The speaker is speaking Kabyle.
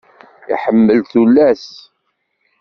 Iḥemmel tullas.